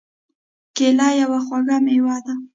کېله یو خوږ مېوه ده.